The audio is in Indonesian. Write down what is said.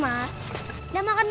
masih berani jualan di sini